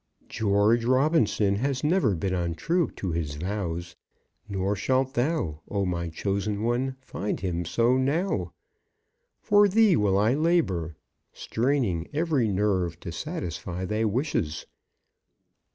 George Robinson has never been untrue to his vows, nor shalt thou, O my chosen one, find him so now. For thee will I labour, straining every nerve to satisfy thy wishes.